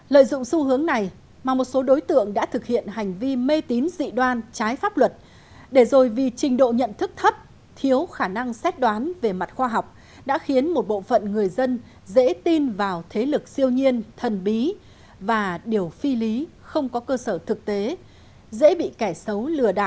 lợi dụng xu hướng này mà một số đối tượng đã thực hiện hành vi mê tín dị đoan trái pháp luật để rồi vì trình độ nhận thức thấp thiếu khả năng xét đoán về mặt khoa học đã khiến một bộ phận người dân dễ tin vào thế lực siêu nhiên thần bí và điều phi lý không có cơ sở thực tế dễ bị kẻ xấu lừa đảo